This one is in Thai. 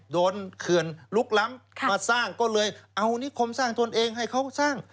เขื่อนลุกล้ำมาสร้างก็เลยเอานิคมสร้างตนเองให้เขาสร้าง